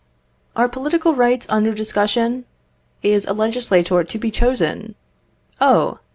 Are political rights under discussion? Is a legislator to be chosen? Oh!